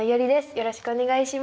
よろしくお願いします。